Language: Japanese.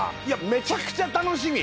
めちゃくちゃ楽しみ。